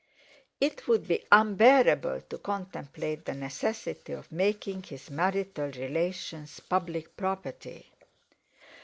It would be unbearable to contemplate the necessity of making his marital relations public property.